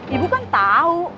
ibu kan tahu